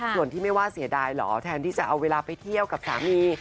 ส่วนที่ไม่ว่าเสียดายเหรอแทนที่จะเอาเวลาไปเที่ยวกับสามี